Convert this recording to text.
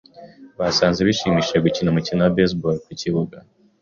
Basanze bishimishije gukina umukino wa baseball ku kibuga.